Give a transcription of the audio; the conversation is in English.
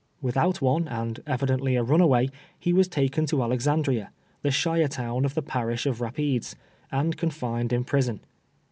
Without one, and evidently a runa way, he was taken to Alexandria, the shire town of the parish of Rapides, and confined in prison.